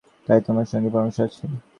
তাই তোমার সঙ্গে পরামর্শ আছে।